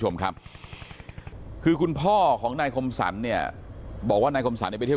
ชมครับคือคุณพ่อของนายคมสันเนี่ยบอกว่านายคมสันไปเที่ยว